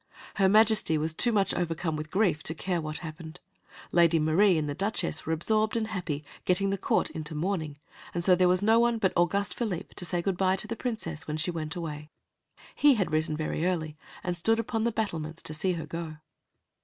Her Majesty was too much overcome with grief to care what happened; Lady Marie and the Duchess were absorbed and happy getting the court into mourning, and so there was no one but Auguste Philippe to say good by to the Princess when she went away. He had risen very early, and stood upon the battlements to see her go.